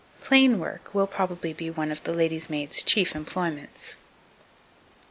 Plain work will probably be one of the lady's maid's chief employments. 2263.